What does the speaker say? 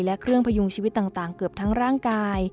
และเครื่องพยุงชีวิตต่างเกือบทั้งร่างกาย